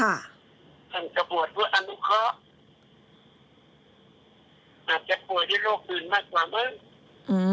อาจจะป่วยที่โรคอื่นมากกว่าเมื่อ